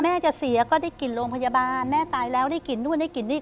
แม่จะเสียก็ได้กลิ่นโรงพยาบาลแม่ตายแล้วได้กลิ่นนู่นได้กลิ่นนี่